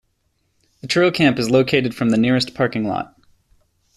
A trail camp is located from the nearest parking lot.